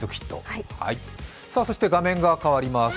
そして画面が変わります。